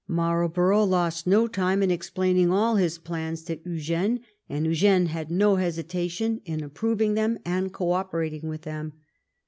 Marlborough lost no time in explaining all his plans to Eugene, and Eugene had no hesitation in approving them and co operating with them.